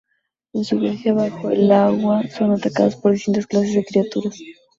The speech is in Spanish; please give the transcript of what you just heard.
En su viaje bajo el agua, son atacados por distintas clases de criaturas.